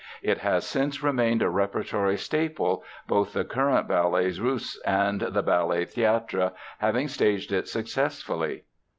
It has since remained a repertory staple, both the current Ballets Russes and the Ballet Theatre having staged it successfully.